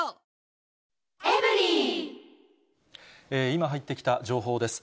今入ってきた情報です。